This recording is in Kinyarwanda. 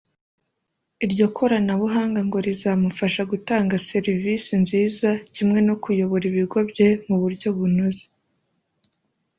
iryo koranabuhanga ngo rizamufasha gutanga serivisi nziza kimwe no kuyobora ibigo bye mu buryo bunoze